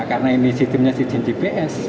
karena ini sistemnya sistem gps